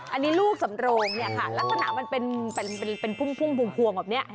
อันนี้ลูกสำโรงเนี่ยค่ะลักษณะมันเป็นพุ่มพวงแบบนี้